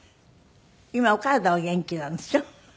今お体は元気なんでしょ？